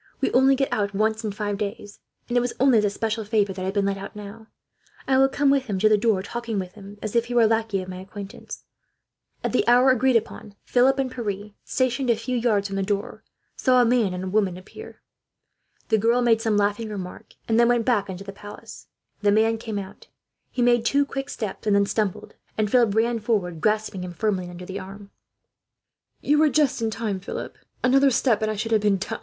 We only get out once in five days, and it was only as a special favour I have been let out, now. I will come with him to the door, talking with him as if he were a lackey of my acquaintance." At the hour agreed upon Philip and Pierre, stationed a few yards from the door, saw a man and woman appear. The girl made some laughing remark, and then went back into the palace. The man came out. He made two quick steps and then stumbled, and Philip ran forward, and grasped him firmly under the arm. "You were just in time, Philip," Francois said, with a feeble laugh, "another step and I should have been down.